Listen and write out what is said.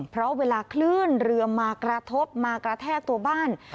เพราะเวลาคลื่นเรือมากระทบมากระแทกตัวบ้าน